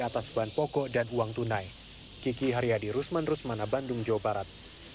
atas bahan pokok dan uang tunai kiki haryadi rusman rusmana bandung jawa barat